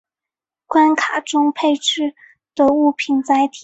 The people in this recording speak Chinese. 关卡中配置的物品载体。